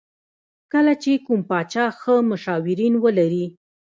کله چې کوم پاچا ښه مشاورین ولري.